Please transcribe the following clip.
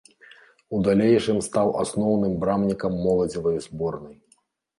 У далейшым стаў асноўным брамнікам моладзевай зборнай.